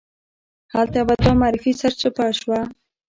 هلته به دا معرفي سرچپه شوه.